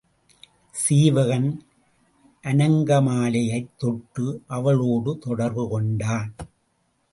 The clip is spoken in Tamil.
சீவகன் அநங்கமாலையைத் தொட்டு அவளோடு தொடர்பு கொண்டான்.